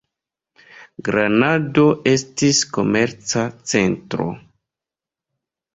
Granado estis komerca centro.